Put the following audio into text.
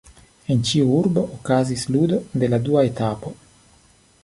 En ĉiu urbo okazis ludo de la dua etapo.